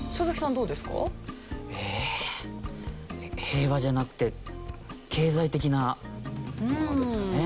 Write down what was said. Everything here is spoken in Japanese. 平和じゃなくて経済的なものですかね